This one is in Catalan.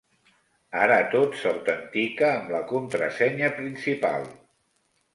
Ara tot s'autentica amb la contrasenya principal.